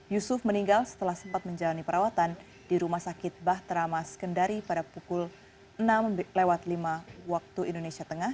yusuf meninggal setelah sempat menjalani perawatan di rumah sakit bah teramas kendari pada pukul enam lima waktu indonesia tengah